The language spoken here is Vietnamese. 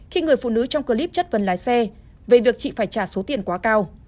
khi người phụ nữ trong clip chất vấn lái xe về việc chị phải trả số tiền quá cao